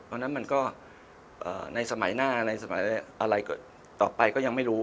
เพราะฉะนั้นมันก็ในสมัยหน้าในสมัยอะไรต่อไปก็ยังไม่รู้